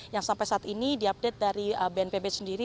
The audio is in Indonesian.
yang sampai saat ini diupdate dari bnpb sendiri